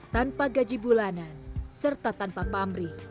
tanpa gaji bulanan serta tanpa pamrih